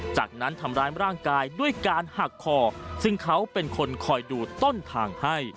จากนั้นทำร้ายร่างกายด้วยการหักคอซึ่งเขาเป็นคนคอยดูต้นทางให้